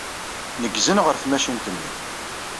Neggzen ɣer tmacint-nni.